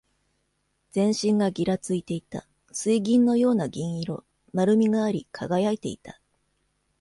全身がぎらついていた。水銀のような銀色。丸みがあり、輝いていた。